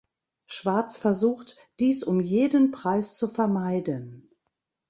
Schwarz versucht dies um jeden Preis zu vermeiden.